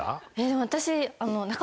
でも私。